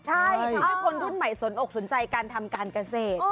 ใช่ทำให้คนรุ่นใหม่สนอกสนใจการทำการเกษตร